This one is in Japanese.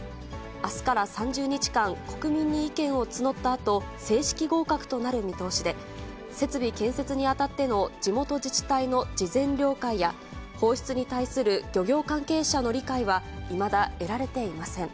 あすから３０日間、国民に意見を募ったあと、正式合格となる見通しで、設備建設にあたっての地元自治体の事前了解や、放出に対する漁業関係者の理解はいまだ得られていません。